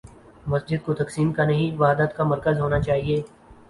مسجد کو تقسیم کا نہیں، وحدت کا مرکز ہو نا چاہیے۔